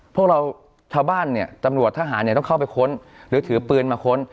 พวกเราชาวบ้านเนี่ยตำรวจทหารเนี่ยต้องเข้าไปค้นหรือถือปืนมาค้น